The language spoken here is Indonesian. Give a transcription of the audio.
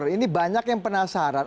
ini banyak yang penasaran